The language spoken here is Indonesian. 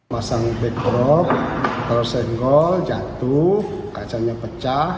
masang backdrop tersegol jatuh kacanya pecah